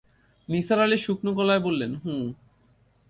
নিসার আলি শুকনো গলায় বললেন, হুঁ।